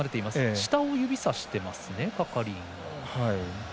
下を指さしています、係員が。